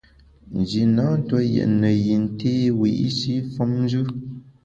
Nji na ntue yètne yin té wiyi’shi femnjù.